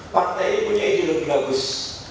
partai ini punya ideologi bagus